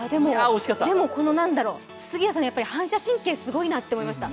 でも杉谷さん、反射神経すごいなと思いました。